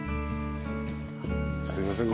すいません